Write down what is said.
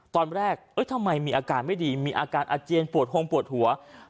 ตอนแรกทำไมมีอาการไม่ดีมีอาการอาเจียนปวดโฮงปวดหัว